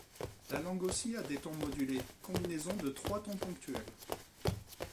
La langue a aussi des tons modulés, combinaisons des trois tons ponctuels.